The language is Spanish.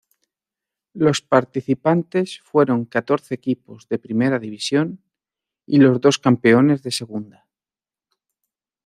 Los participantes fueron catorce equipos de Primera División y los dos campeones de Segunda.